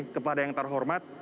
kepada yang terhormat